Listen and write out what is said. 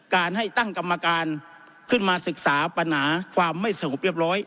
การให้ตั้งกรรมการขึ้นมาศึกษาปัญหาความไม่สงบเรียบร้อย